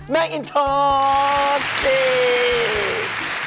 แม่งอินทรอมส์สวัสดี